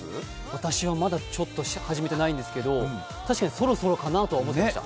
私はまだちょっと始めてないんですけど確かにそろそろかなとは思っていました。